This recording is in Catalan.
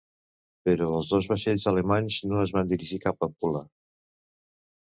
Però els dos vaixells alemanys no es van dirigir cap a Pula.